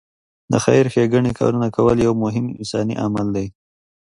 د خېر ښېګڼې کارونه کول یو مهم انساني عمل دی.